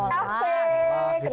kenafe kenafe tuh enak banget